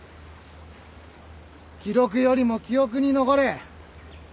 記録よりも記憶に残れ！